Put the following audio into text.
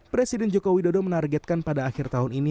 presiden joko widodo menargetkan pada akhir tahun ini